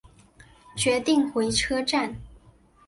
决定回车站